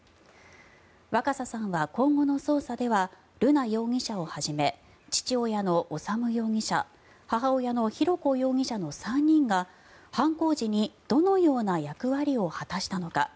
若狭さんは今後の捜査では瑠奈容疑者をはじめ父親の修容疑者母親の浩子容疑者の３人が犯行時にどのような役割を果たしたのか。